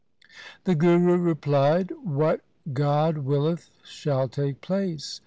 The Guru replied, ' What God willeth shall take place.